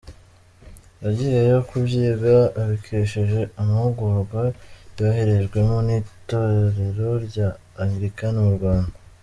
Yagiyeyo kubyiga abikesheje amahugurwa yoherejwemo n’itorero rya Anglican mu Rwanda.